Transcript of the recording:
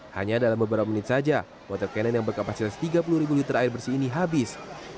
hanya dalam beberapa menit saja water cannon yang berkapasitas tiga puluh liter air bersih ini habis